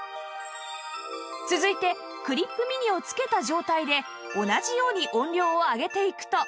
続いてクリップ・ミニを着けた状態で同じように音量を上げていくと